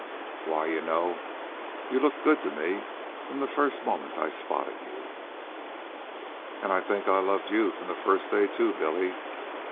Why, you know, you looked good to me from the first moment I spotted you." "And I think I loved you from that first day, too, Billy.